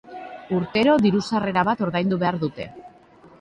Urtero diru-sarrera bat ordaindu behar dute.